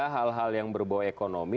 hal hal yang berbau ekonomi